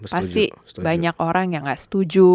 pasti banyak orang yang gak setuju